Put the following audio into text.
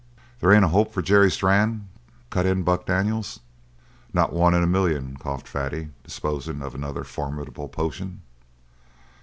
"There ain't a hope for Jerry Strann?" cut in Buck Daniels. "Not one in a million," coughed Fatty, disposing of another formidable potion.